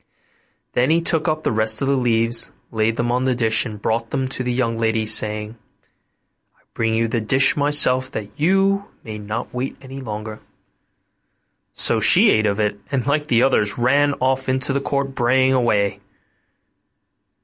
Then he took up the rest of the leaves, laid them on the dish and brought them to the young lady, saying, 'I bring you the dish myself that you may not wait any longer.' So she ate of it, and like the others ran off into the court braying away.